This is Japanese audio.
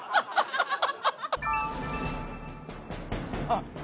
あっ。